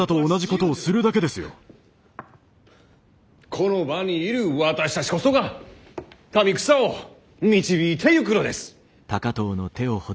この場にいる私たちこそが民草を導いていくのです！